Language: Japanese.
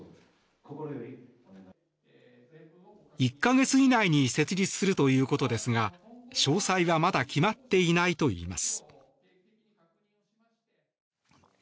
１か月以内に設立するということですが詳細はまだ決まっていないといいます。